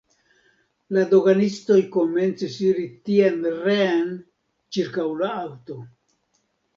La doganistoj komencis iri tien-reen ĉirkaŭ la aŭto.